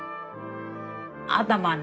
頭ね